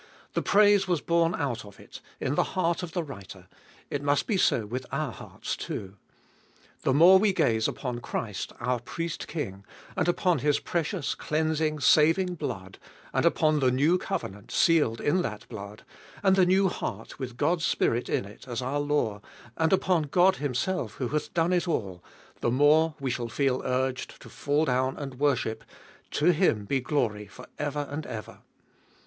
The praise was born out of it, in the heart of the writer ; it must be so with our hearts too. The more we gaze upon Christ our Priest King, and upon His precious, cleansing, saving blood, and upon the new covenant, sealed in that blood, and the new heart iboliest of ail with God's Spirit in it as our law, and upon God Himself who hath done it all, the more we shall feel urged to fall down and worship, To Him be glory for ever and ever.